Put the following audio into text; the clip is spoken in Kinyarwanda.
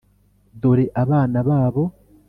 dore abana babo